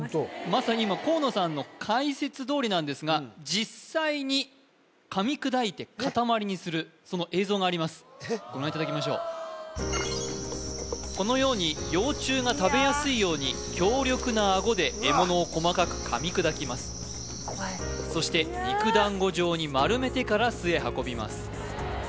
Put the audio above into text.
まさに今河野さんの解説どおりなんですが実際に噛み砕いて塊にするその映像がありますご覧いただきましょうこのように幼虫が食べやすいように強力なアゴで獲物を細かく噛み砕きますそして肉団子状に丸めてから巣へ運びます